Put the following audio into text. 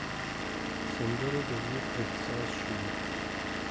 سندره د ویر احساس ښيي